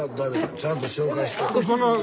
ちゃんと紹介して。